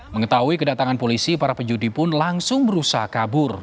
mengetahui kedatangan polisi para penjudi pun langsung berusaha kabur